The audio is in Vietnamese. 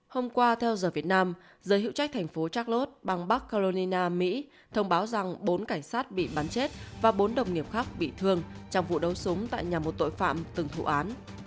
hôm qua theo giờ việt nam giới hiệu trách thành phố charlot bang bắc carolina mỹ thông báo rằng bốn cảnh sát bị bắn chết và bốn đồng nghiệp khác bị thương trong vụ đấu súng tại nhà một tội phạm từng vụ án